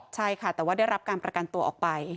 ใช่ค่ะแต่ว่าได้รับการประกันตัวออกไป